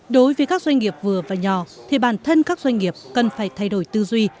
đối với các doanh nghiệp vừa và nhỏ thì bản thân các doanh nghiệp cần phải thay đổi tư duy